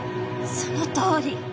そのとおり。